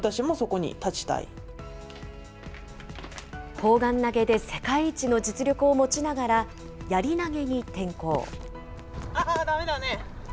砲丸投げで世界一の実力を持ちながら、やり投げに転向。